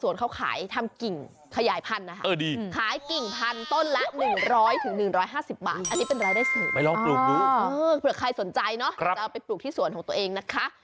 เผื่อใครสนใจเนาะจะเอาไปปลูกที่สวนของตัวเองนะคะ